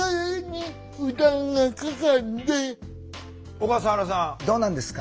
小笠原さんどうなんですか？